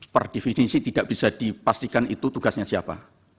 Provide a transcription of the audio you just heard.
perdefinisi tidak bisa dipastikan itu tugasnya siapa